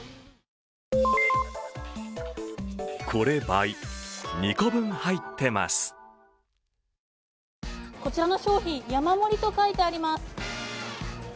こちらの商品、山盛りと書いてあります。